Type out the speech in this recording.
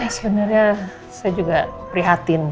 sebenarnya saya juga prihatin